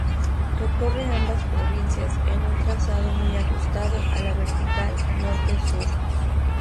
Recorre ambas provincias en un trazado muy ajustado a la vertical norte-sur.